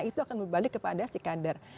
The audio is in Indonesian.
itu akan berbalik kepada si kader